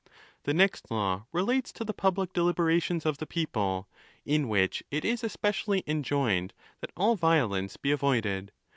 The next law relates to the public deliberations of the people, in which it is especially enjoined that all violence be avoided.